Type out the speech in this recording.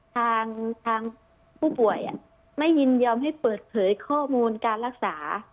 ทางผู้ป่วยไม่ยินยอมให้เปิดเผยข้อมูลการรักษา